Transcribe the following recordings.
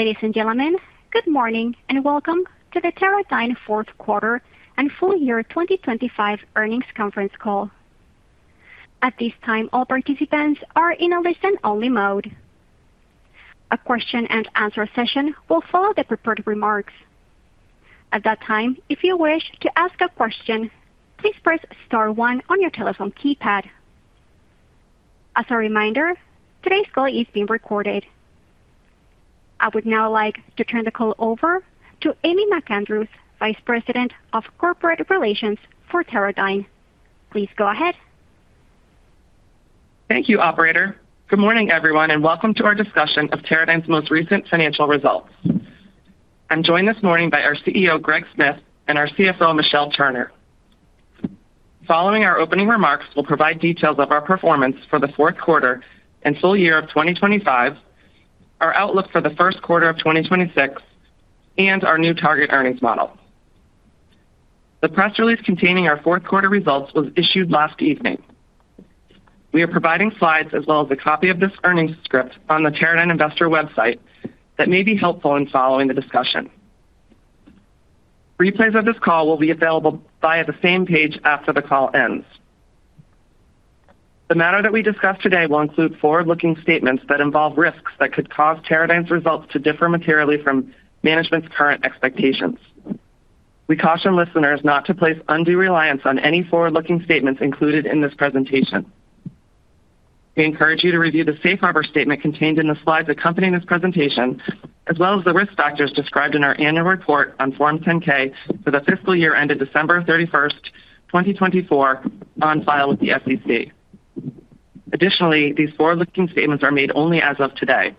Ladies and gentlemen, good morning, and welcome to the Teradyne fourth quarter and full year 2025 earnings conference call. At this time, all participants are in a listen-only mode. A question and answer session will follow the prepared remarks. At that time, if you wish to ask a question, please press star one on your telephone keypad. As a reminder, today's call is being recorded. I would now like to turn the call over to Amy McAndrews, Vice President of Corporate Relations for Teradyne. Please go ahead. Thank you, operator. Good morning, everyone, and welcome to our discussion of Teradyne's most recent financial results. I'm joined this morning by our CEO, Greg Smith, and our CFO, Michelle Turner. Following our opening remarks, we'll provide details of our performance for the fourth quarter and full year of 2025, our outlook for the first quarter of 2026, and our new target earnings model. The press release containing our fourth quarter results was issued last evening. We are providing slides as well as a copy of this earnings script on the Teradyne investor website that may be helpful in following the discussion. Replays of this call will be available via the same page after the call ends. The matter that we discuss today will include forward-looking statements that involve risks that could cause Teradyne's results to differ materially from management's current expectations. We caution listeners not to place undue reliance on any forward-looking statements included in this presentation. We encourage you to review the safe harbor statement contained in the slides accompanying this presentation, as well as the risk factors described in our annual report on Form 10-K for the fiscal year ended December 31, 2024, on file with the SEC. Additionally, these forward-looking statements are made only as of today.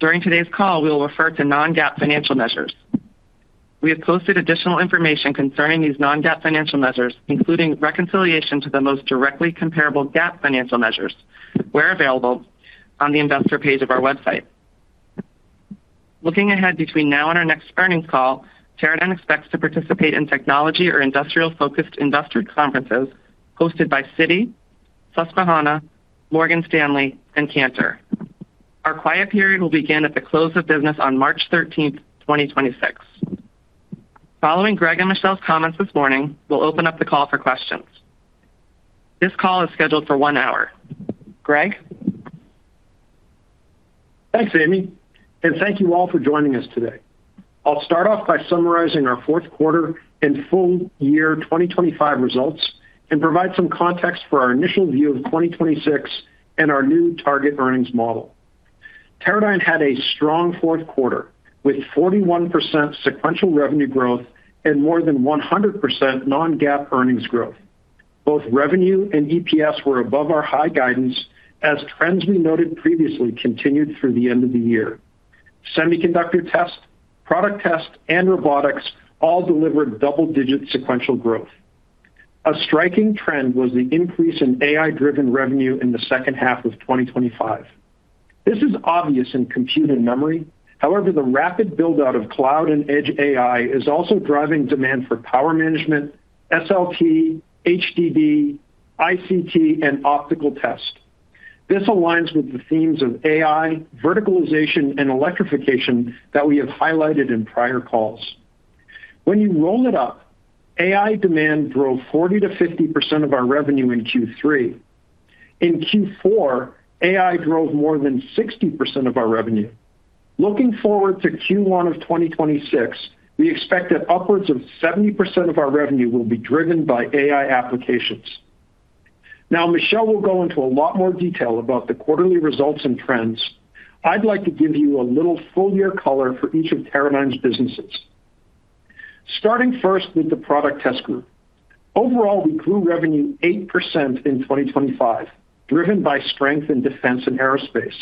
During today's call, we will refer to non-GAAP financial measures. We have posted additional information concerning these non-GAAP financial measures, including reconciliation to the most directly comparable GAAP financial measures, where available, on the investor page of our website. Looking ahead between now and our next earnings call, Teradyne expects to participate in technology or industrial-focused investor conferences hosted by Citi, Susquehanna, Morgan Stanley, and Cantor. Our quiet period will begin at the close of business on March 13, 2026. Following Greg and Michelle's comments this morning, we'll open up the call for questions. This call is scheduled for 1 hour. Greg? Thanks, Amy, and thank you all for joining us today. I'll start off by summarizing our fourth quarter and full year 2025 results and provide some context for our initial view of 2026 and our new target earnings model. Teradyne had a strong fourth quarter, with 41% sequential revenue growth and more than 100% non-GAAP earnings growth. Both revenue and EPS were above our high guidance, as trends we noted previously continued through the end of the year. Semiconductor test, product test, and Robotics all delivered double-digit sequential growth. A striking trend was the increase in AI-driven revenue in the second half of 2025. This is obvious in compute and memory. However, the rapid build-out of cloud and edge AI is also driving demand for power management, SLT, HBM, ICT, and optical test. This aligns with the themes of AI, verticalization, and electrification that we have highlighted in prior calls. When you roll it up, AI demand drove 40%-50% of our revenue in Q3. In Q4, AI drove more than 60% of our revenue. Looking forward to Q1 of 2026, we expect that upwards of 70% of our revenue will be driven by AI applications. Now, Michelle will go into a lot more detail about the quarterly results and trends. I'd like to give you a little full-year color for each of Teradyne's businesses. Starting first with the Product Test Group. Overall, we grew revenue 8% in 2025, driven by strength in defense and aerospace.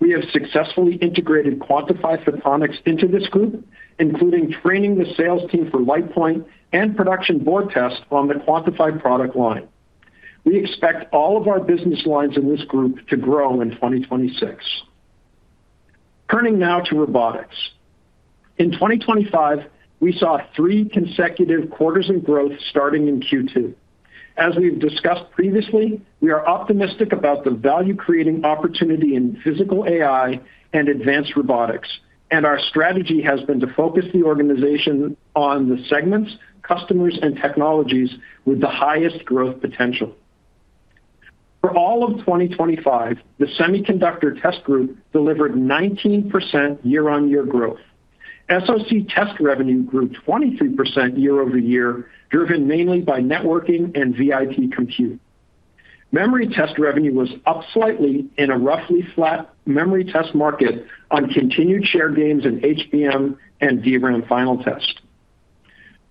We have successfully integrated Quantifi Photonics into this group, including training the sales team for LitePoint and Production Board Tests on the Quantifi product line. We expect all of our business lines in this group to grow in 2026. Turning now to Robotics. In 2025, we saw 3 consecutive quarters in growth starting in Q2. As we've discussed previously, we are optimistic about the value-creating opportunity in physical AI and advanced Robotics, and our strategy has been to focus the organization on the segments, customers, and technologies with the highest growth potential. For all of 2025, the Semiconductor Test Group delivered 19% year-over-year growth. SoC test revenue grew 23% year-over-year, driven mainly by networking and VIP compute. Memory test revenue was up slightly in a roughly flat memory test market on continued share gains in HBM and DRAM final test.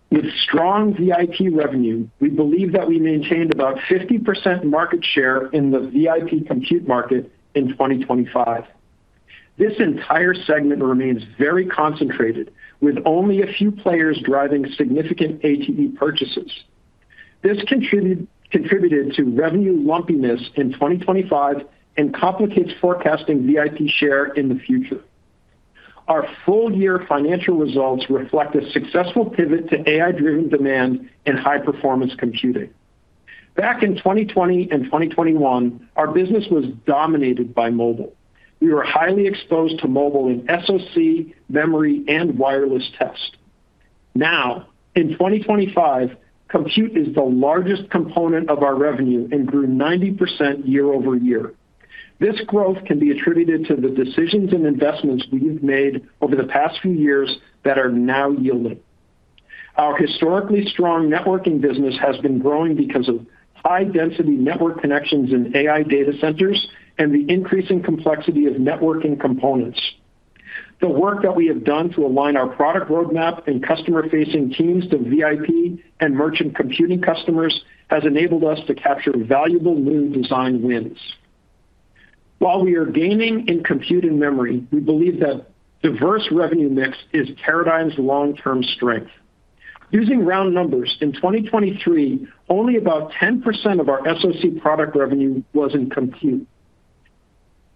With strong VIP revenue, we believe that we maintained about 50% market share in the VIP compute market in 2025. This entire segment remains very concentrated, with only a few players driving significant ATE purchases. This contributed to revenue lumpiness in 2025 and complicates forecasting VIP share in the future. Our full-year financial results reflect a successful pivot to AI-driven demand and high-performance computing. Back in 2020 and 2021, our business was dominated by mobile. We were highly exposed to mobile in SoC, memory, and wireless test. Now, in 2025, compute is the largest component of our revenue and grew 90% year-over-year. This growth can be attributed to the decisions and investments we've made over the past few years that are now yielding. Our historically strong networking business has been growing because of high-density network connections in AI data centers and the increasing complexity of networking components. The work that we have done to align our product roadmap and customer-facing teams to VIP and merchant computing customers has enabled us to capture valuable new design wins. While we are gaining in compute and memory, we believe that diverse revenue mix is Teradyne's long-term strength. Using round numbers, in 2023, only about 10% of our SoC product revenue was in compute.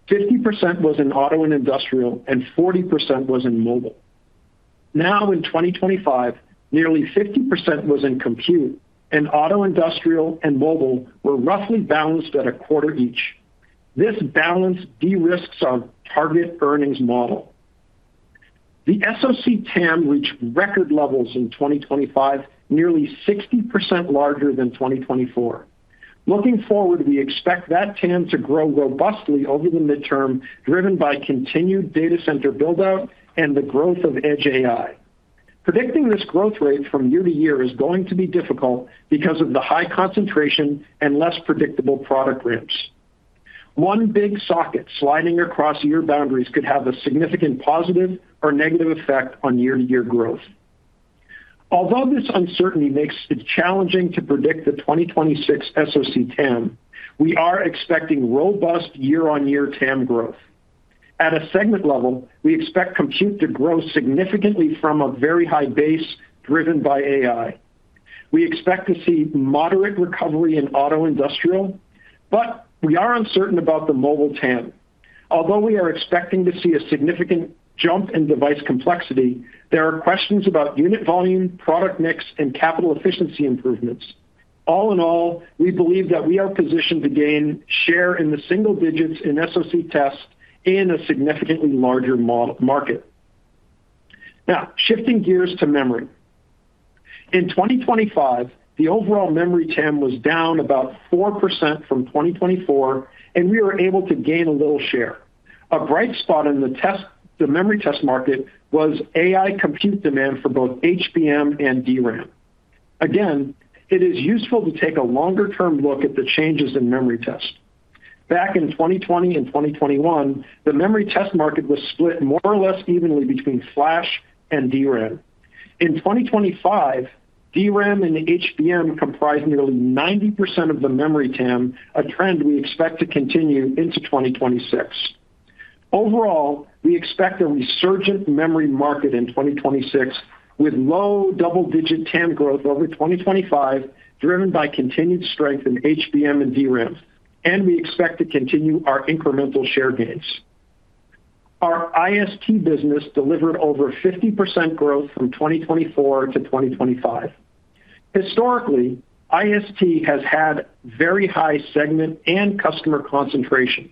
50% was in auto and industrial, and 40% was in mobile. Now, in 2025, nearly 50% was in compute, and auto, industrial, and mobile were roughly balanced at 25% each. This balance de-risks our target earnings model. The SoC TAM reached record levels in 2025, nearly 60% larger than 2024. Looking forward, we expect that TAM to grow robustly over the midterm, driven by continued data center build-out and the growth of edge AI. Predicting this growth rate from year to year is going to be difficult because of the high concentration and less predictable product ramps. One big socket sliding across year boundaries could have a significant positive or negative effect on year-to-year growth. Although this uncertainty makes it challenging to predict the 2026 SoC TAM, we are expecting robust year-on-year TAM growth. At a segment level, we expect compute to grow significantly from a very high base driven by AI. We expect to see moderate recovery in auto industrial, but we are uncertain about the mobile TAM. Although we are expecting to see a significant jump in device complexity, there are questions about unit volume, product mix, and capital efficiency improvements. All in all, we believe that we are positioned to gain share in the single digits in SoC test in a significantly larger market. Now, shifting gears to memory. In 2025, the overall memory TAM was down about 4% from 2024, and we were able to gain a little share. A bright spot in the test, the memory test market was AI compute demand for both HBM and DRAM. Again, it is useful to take a longer-term look at the changes in memory test. Back in 2020 and 2021, the memory test market was split more or less evenly between flash and DRAM. In 2025, DRAM and HBM comprised nearly 90% of the memory TAM, a trend we expect to continue into 2026. Overall, we expect a resurgent memory market in 2026, with low double-digit TAM growth over 2025, driven by continued strength in HBM and DRAM, and we expect to continue our incremental share gains. Our IST business delivered over 50% growth from 2024 to 2025. Historically, IST has had very high segment and customer concentration.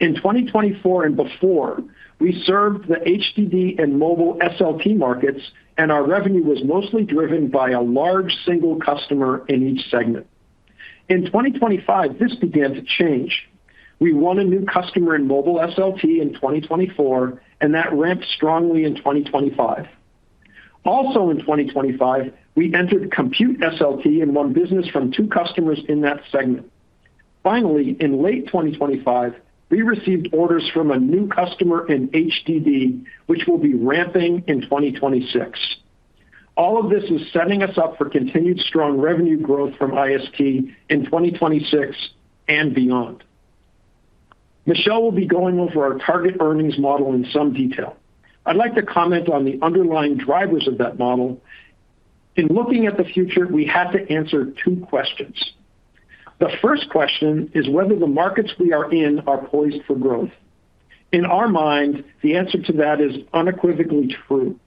In 2024 and before, we served the HDD and mobile SLT markets, and our revenue was mostly driven by a large single customer in each segment. In 2025, this began to change. We won a new customer in mobile SLT in 2024, and that ramped strongly in 2025. Also, in 2025, we entered compute SLT and won business from two customers in that segment. Finally, in late 2025, we received orders from a new customer in HDD, which will be ramping in 2026. All of this is setting us up for continued strong revenue growth from IST in 2026 and beyond. Michelle will be going over our target earnings model in some detail. I'd like to comment on the underlying drivers of that model. In looking at the future, we have to answer two questions. The first question is whether the markets we are in are poised for growth. In our mind, the answer to that is unequivocally true.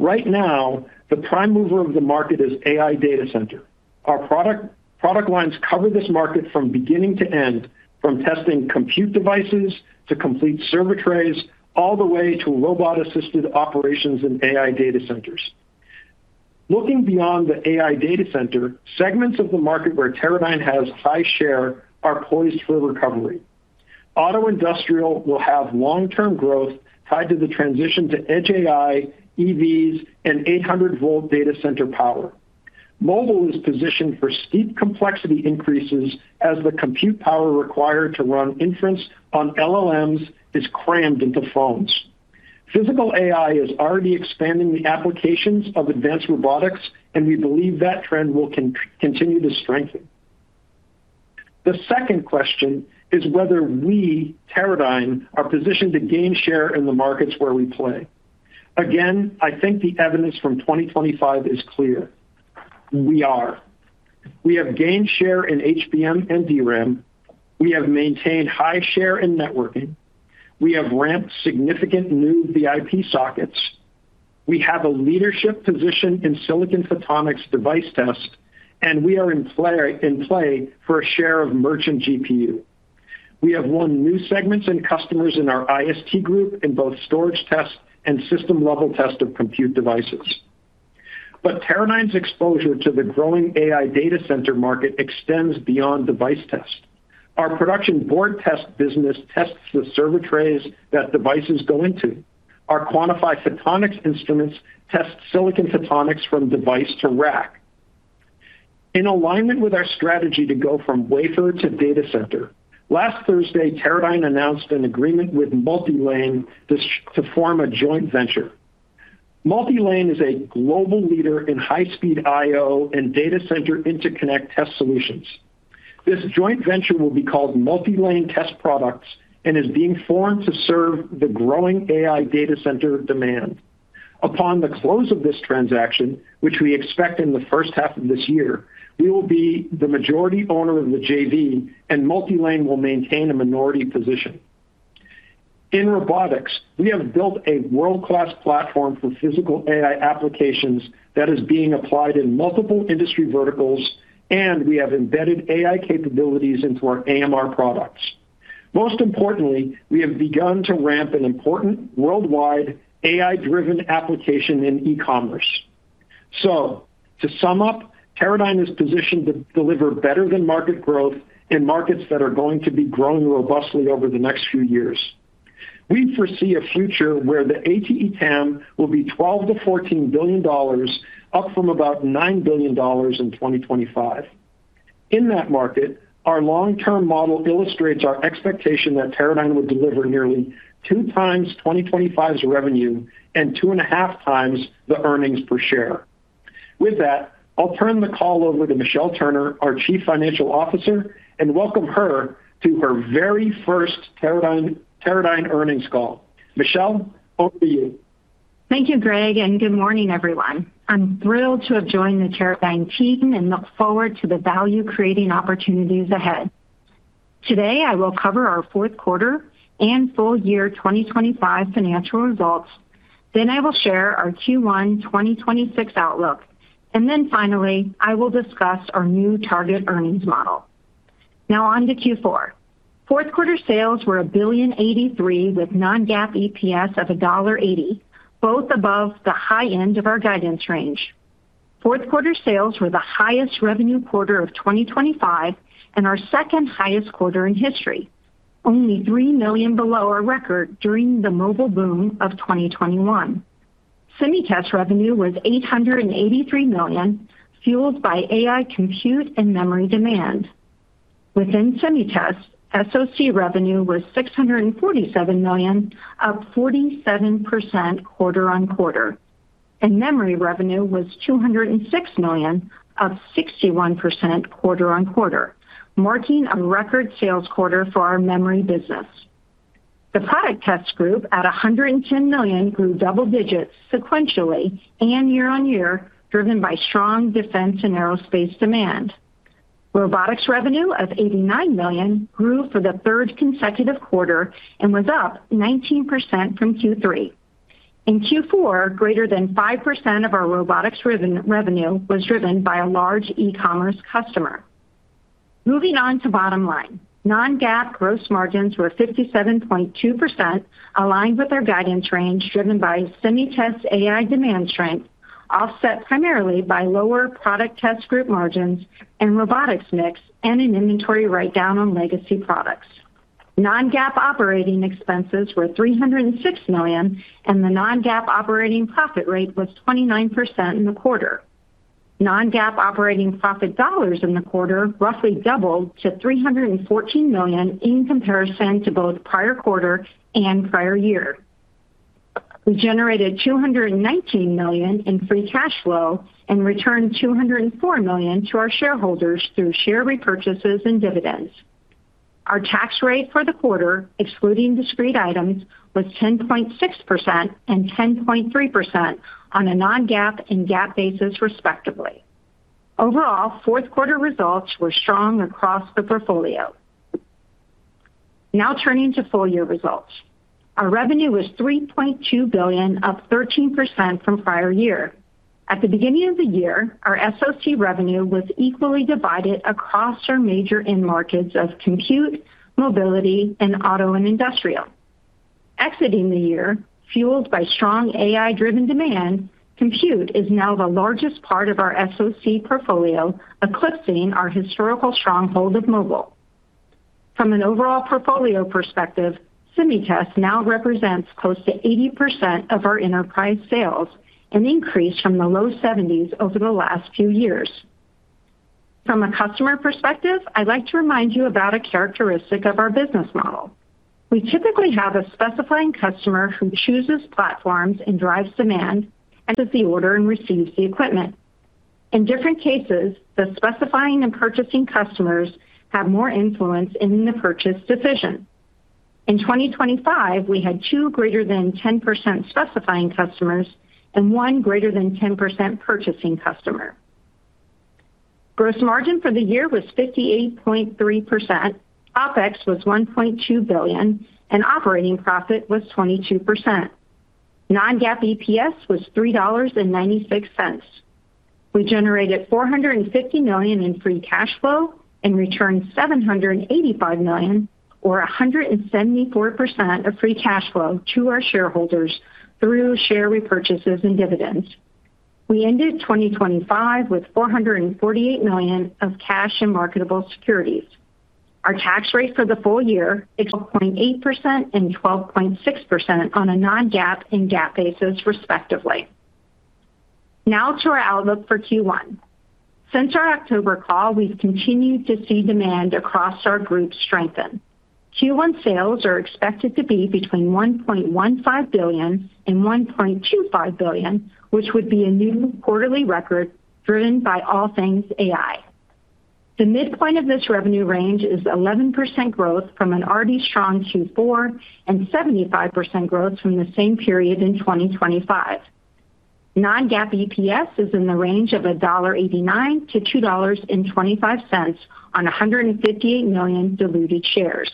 Right now, the prime mover of the market is AI data center. Our product, product lines cover this market from beginning to end, from testing compute devices to complete server trays, all the way to robot-assisted operations in AI data centers. Looking beyond the AI data center, segments of the market where Teradyne has high share are poised for recovery. Auto industrial will have long-term growth tied to the transition to edge AI, EVs, and 800-volt data center power. Mobile is positioned for steep complexity increases as the compute power required to run inference on LLMs is crammed into phones. Physical AI is already expanding the applications of advanced Robotics, and we believe that trend will continue to strengthen. The second question is whether we, Teradyne, are positioned to gain share in the markets where we play. Again, I think the evidence from 2025 is clear: we are. We have gained share in HBM and DRAM. We have maintained high share in networking. We have ramped significant new VIP sockets.... We have a leadership position in silicon photonics device test, and we are in play, in play for a share of merchant GPU. We have won new segments and customers in our IST group in both storage test and system-level test of compute devices. But Teradyne's exposure to the growing AI data center market extends beyond device test. Our Production Board Test business tests the server trays that devices go into. Our Quantifi Photonics instruments test silicon photonics from device to rack. In alignment with our strategy to go from wafer to data center, last Thursday, Teradyne announced an agreement with MultiLane to form a joint venture. MultiLane is a global leader in high-speed IO and data center interconnect test solutions. This joint venture will be called MultiLane Test Products, and is being formed to serve the growing AI data center demand. Upon the close of this transaction, which we expect in the first half of this year, we will be the majority owner of the JV, and MultiLane will maintain a minority position. In Robotics, we have built a world-class platform for physical AI applications that is being applied in multiple industry verticals, and we have embedded AI capabilities into our AMR products. Most importantly, we have begun to ramp an important worldwide AI-driven application in e-commerce. To sum up, Teradyne is positioned to deliver better-than-market growth in markets that are going to be growing robustly over the next few years. We foresee a future where the ATE TAM will be $12 billion-$14 billion, up from about $9 billion in 2025. In that market, our long-term model illustrates our expectation that Teradyne will deliver nearly 2 times 2025's revenue and 2.5 times the earnings per share. With that, I'll turn the call over to Michelle Turner, our Chief Financial Officer, and welcome her to her very first Teradyne, Teradyne earnings call. Michelle, over to you. Thank you, Greg, and good morning, everyone. I'm thrilled to have joined the Teradyne team and look forward to the value-creating opportunities ahead. Today, I will cover our fourth quarter and full year 2025 financial results, then I will share our Q1 2026 outlook, and then finally, I will discuss our new target earnings model. Now on to Q4. Fourth quarter sales were $1,083 million, with non-GAAP EPS of $1.80, both above the high end of our guidance range. Fourth quarter sales were the highest revenue quarter of 2025 and our second highest quarter in history, only $3 million below our record during the mobile boom of 2021. SemiTest revenue was $883 million, fueled by AI, compute, and memory demand. Within SemiTest, SoC revenue was $647 million, up 47% quarter-on-quarter, and memory revenue was $206 million, up 61% quarter-on-quarter, marking a record sales quarter for our memory business. The Product Test Group, at $110 million, grew double digits sequentially and year-on-year, driven by strong defense and aerospace demand. Robotics revenue of $89 million grew for the third consecutive quarter and was up 19% from Q3. In Q4, greater than 5% of our Robotics revenue was driven by a large e-commerce customer. Moving on to bottom line. Non-GAAP gross margins were 57.2%, aligned with our guidance range, driven by SemiTest AI demand strength, offset primarily by lower Product Test Group margins and Robotics mix, and an inventory write-down on legacy products. Non-GAAP operating expenses were $306 million, and the non-GAAP operating profit rate was 29% in the quarter. Non-GAAP operating profit dollars in the quarter roughly doubled to $314 million in comparison to both prior quarter and prior year. We generated $219 million in free cash flow and returned $204 million to our shareholders through share repurchases and dividends. Our tax rate for the quarter, excluding discrete items, was 10.6% and 10.3% on a non-GAAP and GAAP basis, respectively. Overall, fourth quarter results were strong across the portfolio. Now turning to full-year results. Our revenue was $3.2 billion, up 13% from prior year. At the beginning of the year, our SoC revenue was equally divided across our major end markets of compute, mobility, and auto and industrial. Exiting the year, fueled by strong AI-driven demand, compute is now the largest part of our SoC portfolio, eclipsing our historical stronghold of mobile. From an overall portfolio perspective, SemiTest now represents close to 80% of our enterprise sales, an increase from the low 70s over the last few years. From a customer perspective, I'd like to remind you about a characteristic of our business model. We typically have a specifying customer who chooses platforms and drives demand and does the order and receives the equipment. In different cases, the specifying and purchasing customers have more influence in the purchase decision. In 2025, we had two greater than 10% specifying customers and one greater than 10% purchasing customer. Gross margin for the year was 58.3%. OpEx was $1.2 billion, and operating profit was 22%. Non-GAAP EPS was $3.96. We generated $450 million in free cash flow and returned $785 million, or 174% of free cash flow to our shareholders through share repurchases and dividends. We ended 2025 with $448 million of cash and marketable securities. Our tax rate for the full year, 12.8% and 12.6% on a non-GAAP and GAAP basis, respectively. Now to our outlook for Q1. Since our October call, we've continued to see demand across our group strengthen. Q1 sales are expected to be between $1.15 billion and $1.25 billion, which would be a new quarterly record, driven by all things AI. The midpoint of this revenue range is 11% growth from an already strong Q4 and 75% growth from the same period in 2025. Non-GAAP EPS is in the range of $1.89-$2.25 on 158 million diluted shares.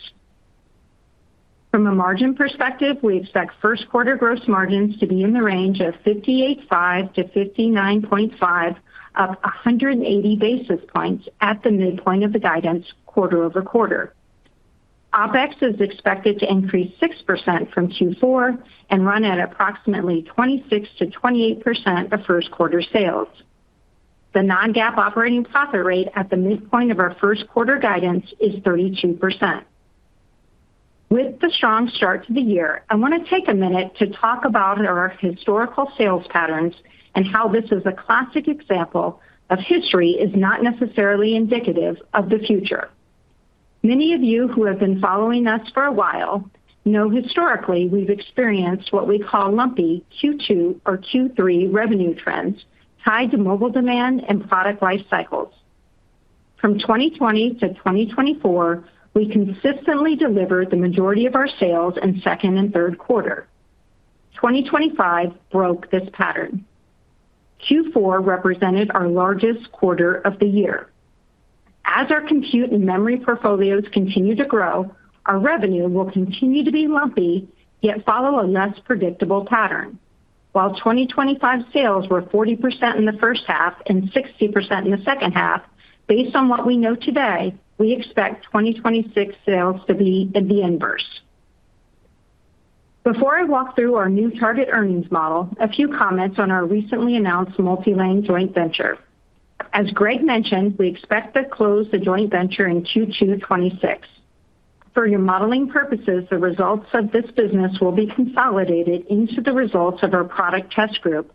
From a margin perspective, we expect first quarter gross margins to be in the range of 58.5%-59.5%, up 180 basis points at the midpoint of the guidance quarter-over-quarter. OpEx is expected to increase 6% from Q4 and run at approximately 26%-28% of first quarter sales. The non-GAAP operating profit rate at the midpoint of our first quarter guidance is 32%. With the strong start to the year, I want to take a minute to talk about our historical sales patterns and how this is a classic example of history is not necessarily indicative of the future. Many of you who have been following us for a while know historically, we've experienced what we call lumpy Q2 or Q3 revenue trends tied to mobile demand and product life cycles. From 2020 to 2024, we consistently delivered the majority of our sales in second and third quarter. 2025 broke this pattern. Q4 represented our largest quarter of the year. As our compute and memory portfolios continue to grow, our revenue will continue to be lumpy, yet follow a less predictable pattern. While 2025 sales were 40% in the first half and 60% in the second half, based on what we know today, we expect 2026 sales to be the inverse. Before I walk through our new target earnings model, a few comments on our recently announced MultiLane joint venture. As Greg mentioned, we expect to close the joint venture in Q2 2026. For your modeling purposes, the results of this business will be consolidated into the results of our Product Test Group,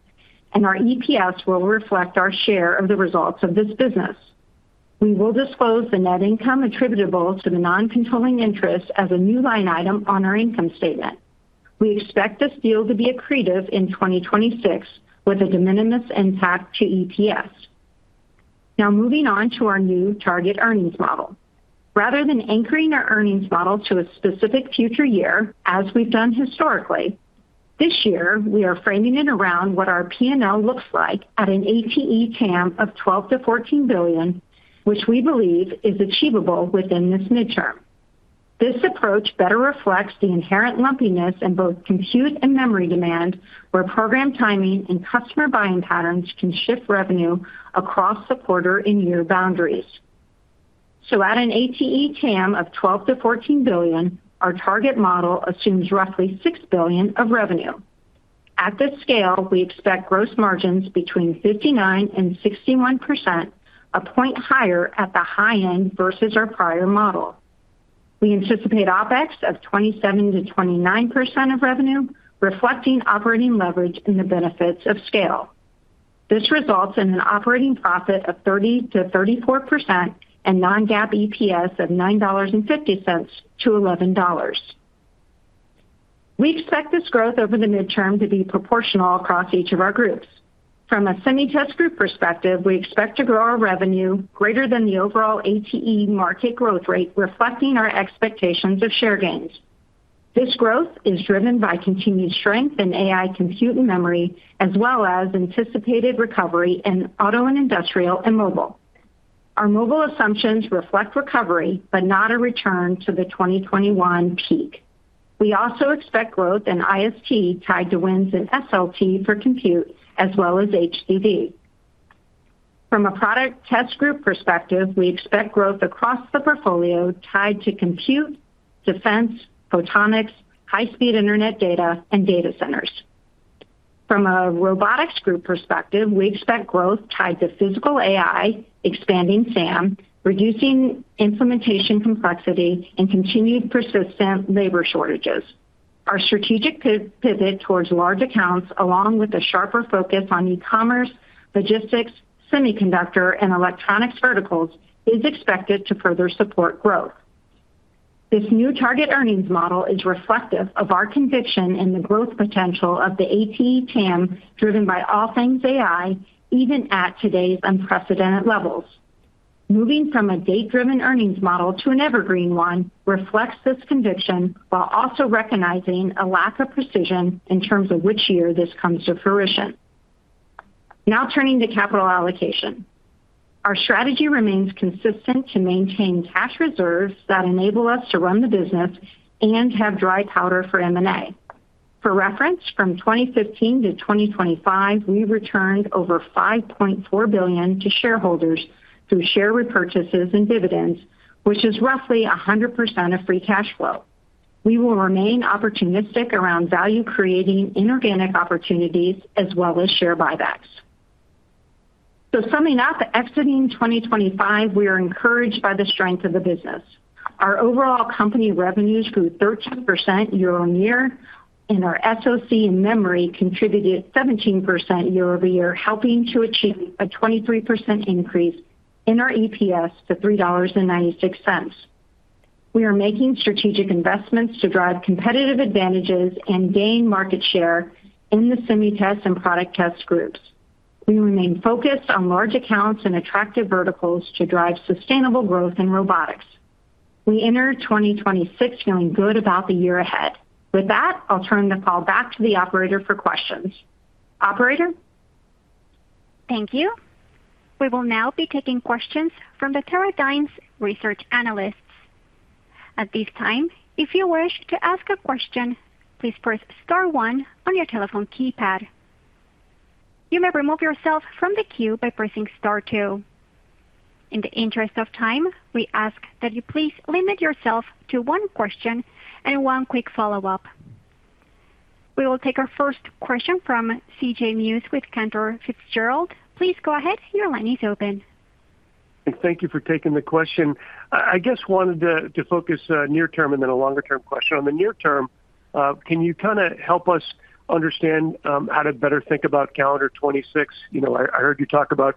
and our EPS will reflect our share of the results of this business. We will disclose the net income attributable to the non-controlling interest as a new line item on our income statement. We expect this deal to be accretive in 2026, with a de minimis impact to EPS. Now, moving on to our new target earnings model. Rather than anchoring our earnings model to a specific future year, as we've done historically, this year, we are framing it around what our P&L looks like at an ATE TAM of $12-$14 billion, which we believe is achievable within this midterm. This approach better reflects the inherent lumpiness in both compute and memory demand, where program timing and customer buying patterns can shift revenue across the quarter and year boundaries. So at an ATE TAM of $12-$14 billion, our target model assumes roughly $6 billion of revenue. At this scale, we expect gross margins between 59%-61%, a point higher at the high end versus our prior model. We anticipate OpEx of 27%-29% of revenue, reflecting operating leverage and the benefits of scale. This results in an operating profit of 30%-34% and non-GAAP EPS of $9.50-$11. We expect this growth over the midterm to be proportional across each of our groups. From a semi test group perspective, we expect to grow our revenue greater than the overall ATE market growth rate, reflecting our expectations of share gains. This growth is driven by continued strength in AI, compute, and memory, as well as anticipated recovery in auto and industrial and mobile. Our mobile assumptions reflect recovery, but not a return to the 2021 peak. We also expect growth in IST tied to wins in SLT for compute, as well as HDD. From a Product Test Group perspective, we expect growth across the portfolio tied to compute, defense, photonics, high-speed internet data, and data centers. From a Robotics group perspective, we expect growth tied to physical AI, expanding SAM, reducing implementation complexity, and continued persistent labor shortages. Our strategic pivot towards large accounts, along with a sharper focus on e-commerce, logistics, semiconductor, and electronics verticals, is expected to further support growth. This new target earnings model is reflective of our conviction in the growth potential of the ATE TAM, driven by all things AI, even at today's unprecedented levels. Moving from a date-driven earnings model to an evergreen one reflects this conviction, while also recognizing a lack of precision in terms of which year this comes to fruition. Now, turning to capital allocation. Our strategy remains consistent to maintain cash reserves that enable us to run the business and have dry powder for M&A. For reference, from 2015 to 2025, we returned over $5.4 billion to shareholders through share repurchases and dividends, which is roughly 100% of free cash flow. We will remain opportunistic around value-creating inorganic opportunities as well as share buybacks. So summing up, exiting 2025, we are encouraged by the strength of the business. Our overall company revenues grew 13% year-over-year, and our SoC and memory contributed 17% year-over-year, helping to achieve a 23% increase in our EPS to $3.96. We are making strategic investments to drive competitive advantages and gain market share in the SemiTest and Product Test Groups. We remain focused on large accounts and attractive verticals to drive sustainable growth in Robotics. We enter 2026 feeling good about the year ahead. With that, I'll turn the call back to the operator for questions. Operator? Thank you. We will now be taking questions from the Teradyne's research analysts. At this time, if you wish to ask a question, please press star one on your telephone keypad. You may remove yourself from the queue by pressing star two. In the interest of time, we ask that you please limit yourself to one question and one quick follow-up. We will take our first question from C.J. Muse with Cantor Fitzgerald. Please go ahead. Your line is open. Thank you for taking the question. I guess wanted to focus near term and then a longer-term question. On the near term, can you kind of help us understand how to better think about calendar 2026? You know, I heard you talk about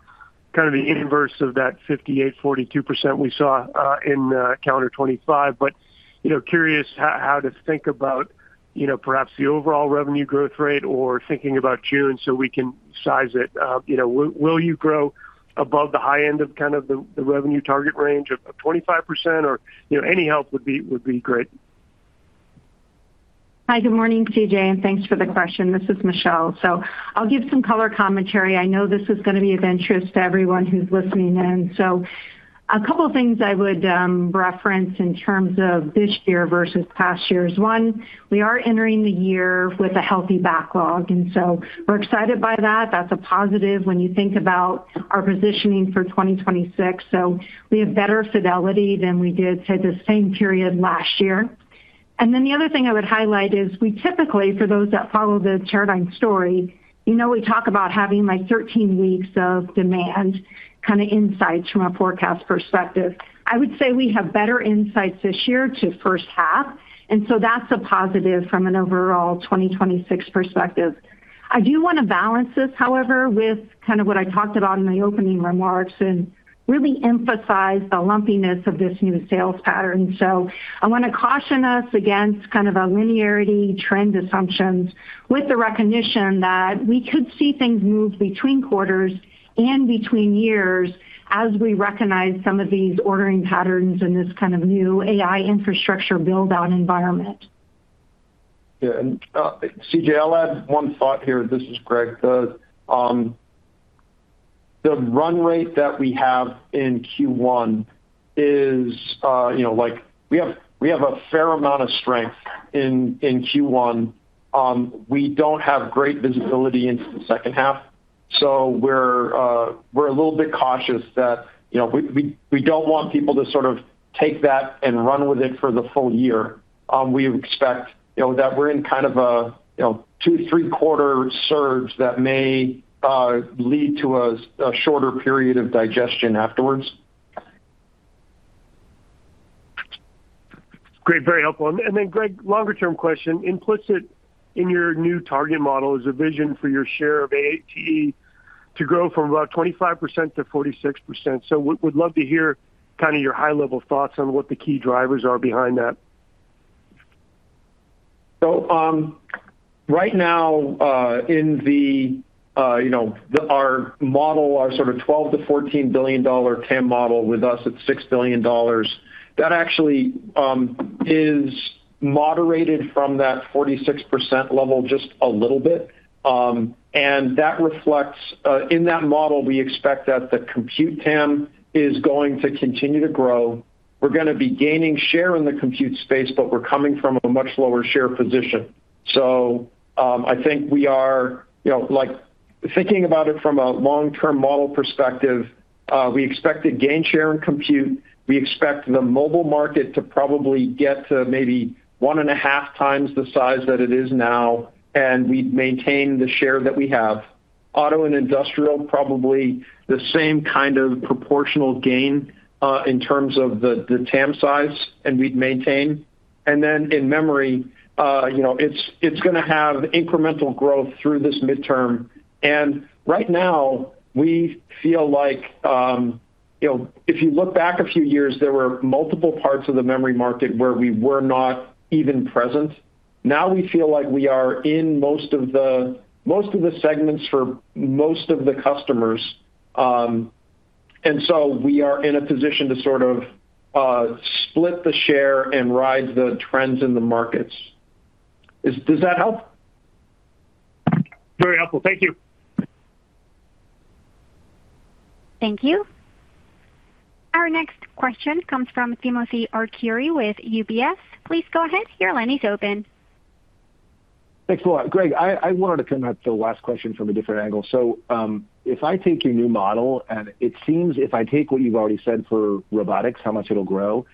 kind of the inverse of that 58-42% we saw in calendar 2025. But, you know, curious how to think about, you know, perhaps the overall revenue growth rate or thinking about June so we can size it up. You know, will you grow above the high end of kind of the revenue target range of 25%, or, you know, any help would be great. Hi, good morning, C.J., and thanks for the question. This is Michelle. So I'll give some color commentary. I know this is going to be of interest to everyone who's listening in. So a couple of things I would reference in terms of this year versus past years. One, we are entering the year with a healthy backlog, and so we're excited by that. That's a positive when you think about our positioning for 2026, so we have better fidelity than we did to the same period last year. And then the other thing I would highlight is we typically, for those that follow the Teradyne story, you know, we talk about having, like, 13 weeks of demand, kind of insights from a forecast perspective. I would say we have better insights this year to first half, and so that's a positive from an overall 2026 perspective. I do want to balance this, however, with kind of what I talked about in my opening remarks and really emphasize the lumpiness of this new sales pattern. So I want to caution us against kind of a linearity trend assumptions, with the recognition that we could see things move between quarters and between years as we recognize some of these ordering patterns in this kind of new AI infrastructure build-out environment. Yeah, and, C.J., I'll add one thought here. This is Greg. The, the run rate that we have in Q1 is, you know, like we have, we have a fair amount of strength in, in Q1. We don't have great visibility into the second half, so we're, we're a little bit cautious that, you know, we, we, we don't want people to sort of take that and run with it for the full year. We expect, you know, that we're in kind of a, you know, two, three-quarter surge that may lead to a shorter period of digestion afterwards. Great, very helpful. And then, Greg, longer-term question, implicit in your new target model is a vision for your share of ATE to grow from about 25% to 46%. So would love to hear kind of your high-level thoughts on what the key drivers are behind that? So, right now, you know, our sort of $12 billion-$14 billion TAM model with us, it's $6 billion, that actually is moderated from that 46% level just a little bit. And that reflects. In that model, we expect that the compute TAM is going to continue to grow. We're going to be gaining share in the compute space, but we're coming from a much lower share position. So, I think we are, you know, like, thinking about it from a long-term model perspective, we expect to gain share in compute. We expect the mobile market to probably get to maybe 1.5 times the size that it is now, and we maintain the share that we have. Auto and industrial, probably the same kind of proportional gain in terms of the TAM size, and we'd maintain. And then in memory, you know, it's going to have incremental growth through this midterm. And right now, we feel like, you know, if you look back a few years, there were multiple parts of the memory market where we were not even present.... Now we feel like we are in most of the, most of the segments for most of the customers. And so we are in a position to sort of split the share and ride the trends in the markets. Does that help? Very helpful. Thank you. Thank you. Our next question comes from Timothy Arcuri with UBS. Please go ahead, your line is open. Thanks a lot. Greg, I wanted to come back to the last question from a different angle. So, if I take your new model, and it seems if I take what you've already said for Robotics, how much it'll grow,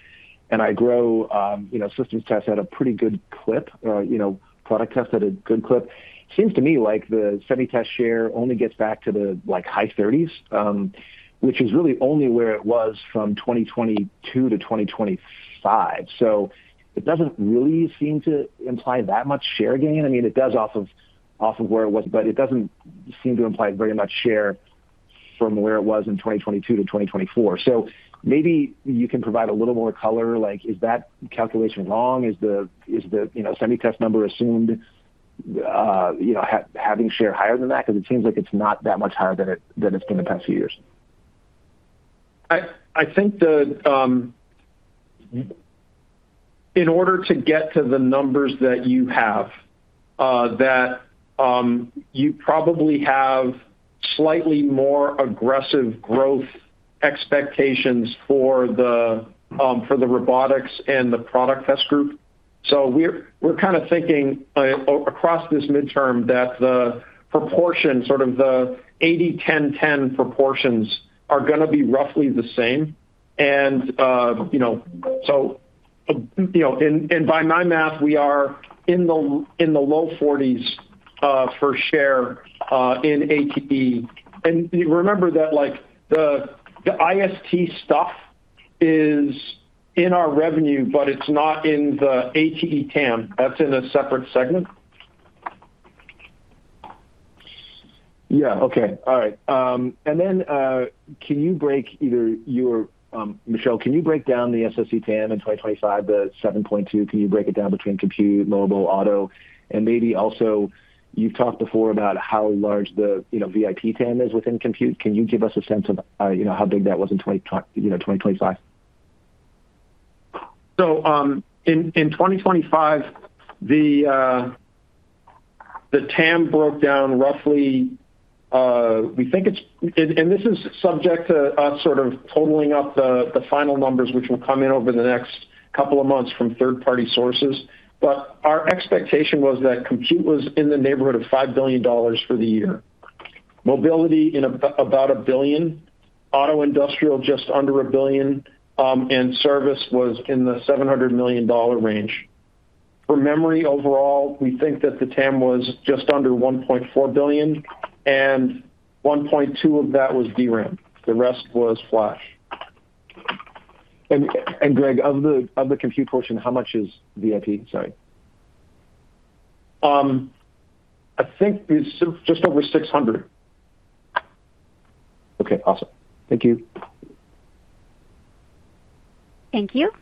and I grow, you know, systems test at a pretty good clip, you know, product test at a good clip, it seems to me like the semi test share only gets back to the, like, high thirties, which is really only where it was from 2022 to 2025. So it doesn't really seem to imply that much share gain. I mean, it does off of, off of where it was, but it doesn't seem to imply very much share from where it was in 2022 to 2024. So maybe you can provide a little more color, like, is that calculation wrong? Is the, you know, semi test number assumed, you know, having share higher than that? 'Cause it seems like it's not that much higher than it, than it's been the past few years. I think in order to get to the numbers that you have, that you probably have slightly more aggressive growth expectations for the Robotics and the Product Test Group. So we're kind of thinking across this midterm that the proportion, sort of the 80, 10, 10 proportions, are going to be roughly the same. And you know, so you know, and by my math, we are in the low 40s for share in ATE. And remember that, like, the IST stuff is in our revenue, but it's not in the ATE TAM. That's in a separate segment. Yeah. Okay. All right. And then, can you break either your, Michelle, can you break down the SoC TAM in 2025, the 7.2, can you break it down between compute, mobile, auto? And maybe also, you've talked before about how large the, you know, VIP TAM is within compute. Can you give us a sense of, you know, how big that was in 2025? So, in 2025, the TAM broke down roughly, we think it's, and this is subject to us sort of totaling up the final numbers, which will come in over the next couple of months from third-party sources. But our expectation was that compute was in the neighborhood of $5 billion for the year. Mobility, in about $1 billion, auto industrial, just under $1 billion, and service was in the $700 million range. For memory, overall, we think that the TAM was just under $1.4 billion, and $1.2 of that was DRAM. The rest was flash. Greg, of the compute portion, how much is VIP? Sorry. I think it's just over 600. Okay, awesome. Thank you. Thank you.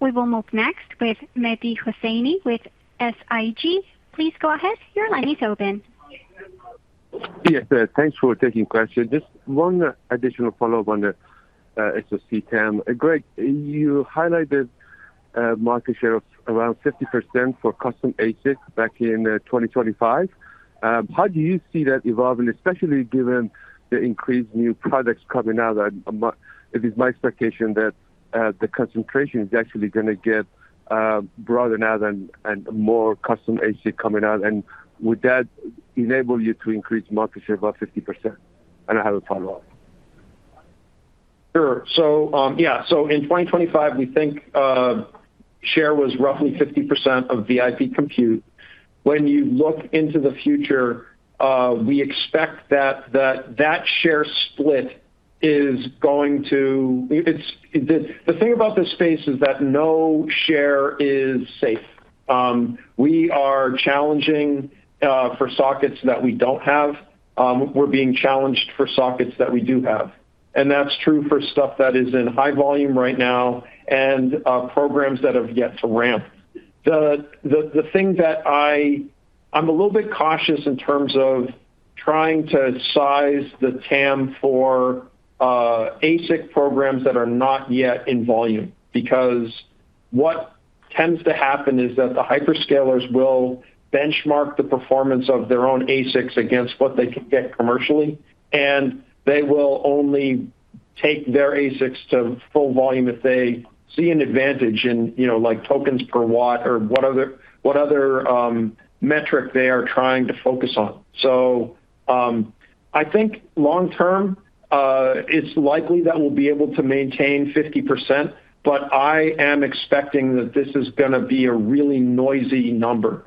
We will move next with Mehdi Hosseini, with SIG. Please go ahead. Your line is open. Yes, thanks for taking question. Just one additional follow-up on the SoC TAM. Greg, you highlighted market share of around 50% for custom ASIC back in 2025. How do you see that evolving, especially given the increased new products coming out? It is my expectation that the concentration is actually going to get broader now than, and more custom ASIC coming out. And would that enable you to increase market share by 50%? And I have a follow-up. Sure. So, in 2025, we think share was roughly 50% of VIP compute. When you look into the future, we expect that share split is going to, it's the thing about this space is that no share is safe. We are challenging for sockets that we don't have. We're being challenged for sockets that we do have, and that's true for stuff that is in high volume right now and programs that have yet to ramp. The thing that I'm a little bit cautious in terms of trying to size the TAM for ASIC programs that are not yet in volume, because what tends to happen is that the hyperscalers will benchmark the performance of their own ASICs against what they can get commercially, and they will only take their ASICs to full volume if they see an advantage in, you know, like tokens per watt or what other metric they are trying to focus on. So, I think long term, it's likely that we'll be able to maintain 50%, but I am expecting that this is going to be a really noisy number,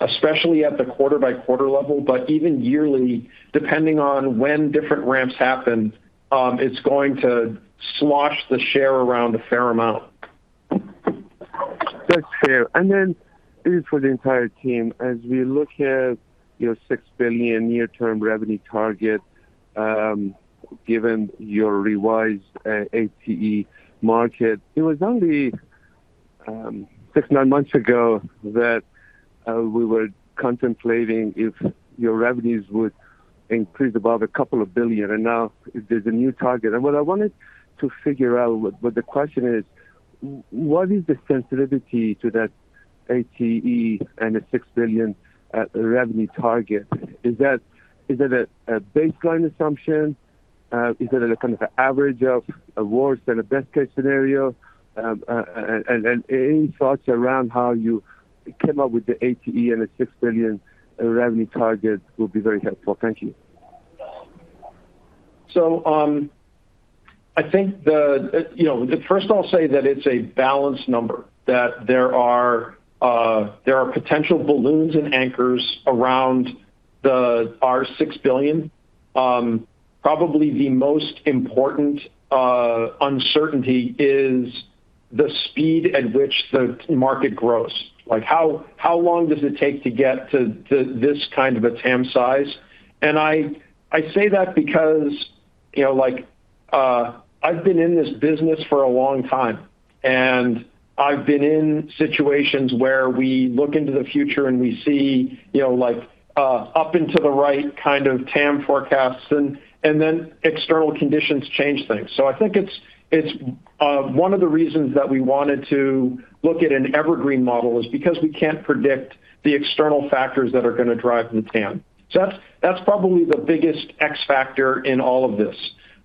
especially at the quarter-by-quarter level, but even yearly, depending on when different ramps happen, it's going to slosh the share around a fair amount. That's fair. Then this is for the entire team. As we look at your $6 billion near-term revenue target, given your revised ATE market, it was only 6-9 months ago that we were contemplating if your revenues would increase above a couple of billion, and now there's a new target. What I wanted to figure out, what the question is, what is the sensitivity to that ATE and the $6 billion revenue target? Is that a baseline assumption? Is that a kind of an average of a worst and a best case scenario? Any thoughts around how you came up with the ATE and the $6 billion revenue target will be very helpful. Thank you. So, I think the, you know, first I'll say that it's a balanced number, that there are, there are potential balloons and anchors around the, our $6 billion. Probably the most important, uncertainty is the speed at which the market grows. Like, how, how long does it take to get to, to this kind of a TAM size? And I, I say that because, you know, like, I've been in this business for a long time, and I've been in situations where we look into the future and we see, you know, like, up and to the right kind of TAM forecasts, and, and then external conditions change things. So I think it's, it's, one of the reasons that we wanted to look at an evergreen model is because we can't predict the external factors that are going to drive the TAM. So that's probably the biggest X factor in all of this.